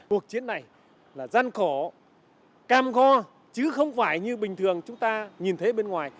cuộc chiến này là gian khổ cam go chứ không phải như bình thường chúng ta nhìn thấy bên ngoài